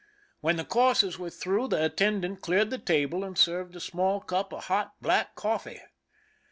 When the courses were through, the attendant cleared the table and served a small cup of hot black coffee.